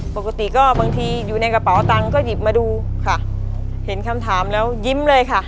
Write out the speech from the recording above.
ปกติก็บางทีอยู่ในกระเป๋าตังค์ก็หยิบมาดูค่ะเห็นคำถามแล้วยิ้มเลยค่ะ